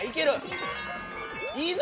いいぞ！